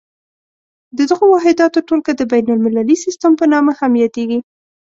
د دغو واحداتو ټولګه د بین المللي سیسټم په نامه هم یادیږي.